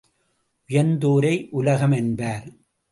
உயர்ந்தோரையே உலகம் என்பர்.